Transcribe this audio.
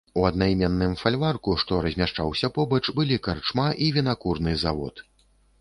У аднайменным фальварку, што размяшчаўся побач, былі карчма і вінакурны завод.